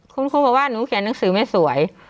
คุณครูบอกว่าหนูเขียนหนังสือไม่สวย